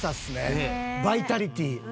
バイタリティー。